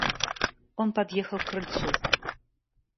Он подъехал к крыльцу.